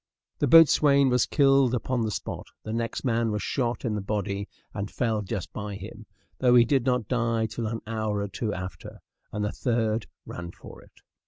The boatswain was killed upon the spot; the next man was shot, in the body, and fell just by him, though he did not die till an hour or two after; and the third ran for it.